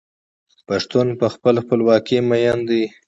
پښتون په خپله خپلواکۍ مین دی.